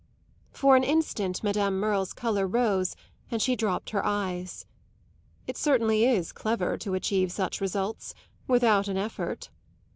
For an instant Madame Merle's colour rose and she dropped her eyes. "It certainly is clever to achieve such results without an effort!"